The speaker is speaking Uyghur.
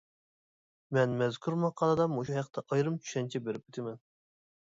مەن مەزكۇر ماقالىدا مۇشۇ ھەقتە ئايرىم چۈشەنچە بېرىپ ئۆتىمەن.